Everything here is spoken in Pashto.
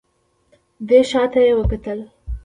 دی شا ته يې وکتل.